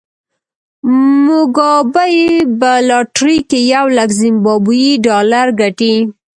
موګابي په لاټرۍ کې یو لک زیمبابويي ډالر ګټي.